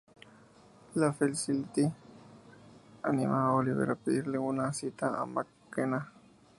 Felicity anima a Oliver a pedirle una cita a McKenna.